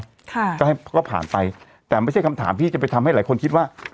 ค่ะก็ให้ก็ผ่านไปแต่ไม่ใช่คำถามที่จะไปทำให้หลายคนคิดว่า